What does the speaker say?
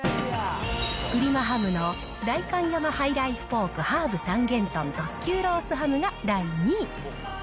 プリマハムの代官山ハイライフポークハーブ三元豚特級ロースハムが第２位。